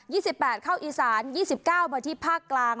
ี่สิบแปดเข้าอีสานยี่สิบเก้ามาที่ภาคกลาง